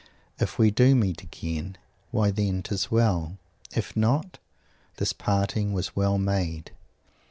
If we do meet again, why then 'tis well; if not, this parting was well made."